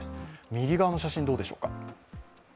右側の写真、どうでしょうか。